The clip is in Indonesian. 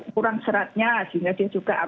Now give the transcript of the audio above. kurang seratnya sehingga dia juga